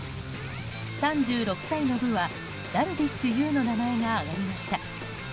３６歳の部はダルビッシュ有の名前が挙がりました。